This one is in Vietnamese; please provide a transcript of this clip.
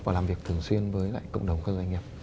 và làm việc thường xuyên với lại cộng đồng các doanh nghiệp